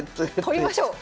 取りましょう。